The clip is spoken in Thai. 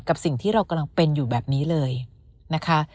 กับสิ่งที่เรากำลังเป็นอยู่แบบนี้เลยนะคะ